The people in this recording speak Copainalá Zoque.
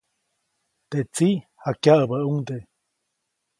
Teʼ tsiʼ jakyaʼäbäʼuŋde.